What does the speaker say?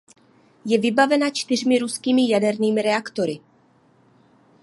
Je vybavena čtyřmi ruskými jadernými reaktory.